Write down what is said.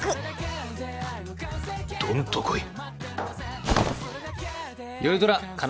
どんと来い。